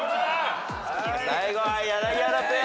最後は柳原ペア。